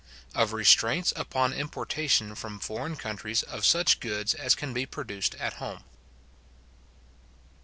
OF RESTRAINTS UPON IMPORTATION FROM FOREIGN COUNTRIES OF SUCH GOODS AS CAN BE PRODUCED AT HOME.